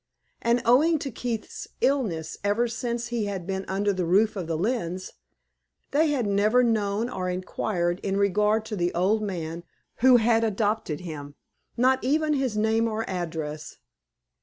And, owing to Keith's illness ever since he had been under the roof of the Lynnes, they had never known or inquired in regard to the old man who had adopted him not even his name or address.